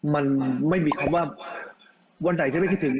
มันไม่มีคำว่าวันไหนจะไม่คิดถึง